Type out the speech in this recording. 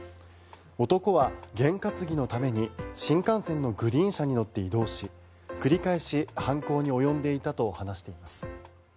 男は、げん担ぎのために新幹線のグリーン車に乗って移動し繰り返し犯行に及んでいたと話しています。